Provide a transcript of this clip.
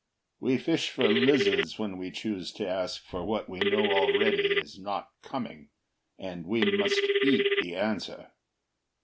We fish for lizards when we choose to ask For what we know already is not coming, And we must eat the answer.